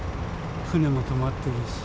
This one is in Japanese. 船も止まっているし。